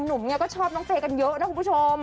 หนุ่มไงก็ชอบน้องเฟย์กันเยอะนะคุณผู้ชม